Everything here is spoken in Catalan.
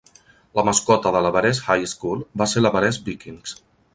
La mascota de l'Everest High School va ser l'Everest Vikings.